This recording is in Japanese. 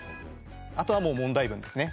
あとはもう問題文ですね。